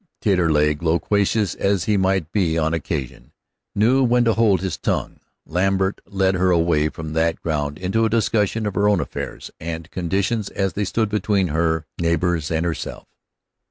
Taterleg, loquacious as he might be on occasion, knew when to hold his tongue. Lambert led her away from that ground into a discussion of her own affairs, and conditions as they stood between her neighbors and herself.